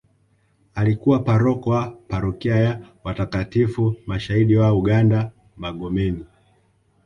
Alikuwa paroko wa parokia ya watakatifu mashahidi wa uganda Magomeni